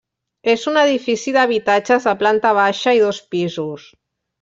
És un edifici d'habitatges, de planta baixa i dos pisos.